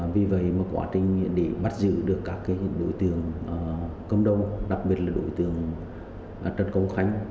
vì vậy quá trình để bắt giữ được các đối tượng công đô đặc biệt là đối tượng trần công khánh